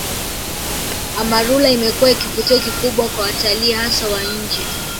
Amarula imekuwa kivutio kikubwa kwa watalii hasa wa nje